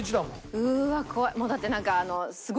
うーわ怖い。